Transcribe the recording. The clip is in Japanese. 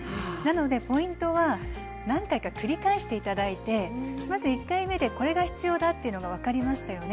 ポイントは何回か繰り返していただいて１回目でこれが必要だということが分かりましたよね。